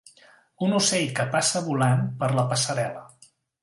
Un ocell que passa volant per la passarel·la.